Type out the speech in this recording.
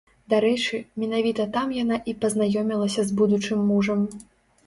Дарэчы, менавіта там яна і пазнаёмілася з будучым мужам.